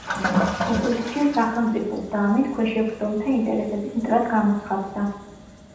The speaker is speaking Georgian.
ოპოზიცია სახელმწიფოს, და ამით ქვეშევრდომთა ინტერესების მტრად გამოცხადდა.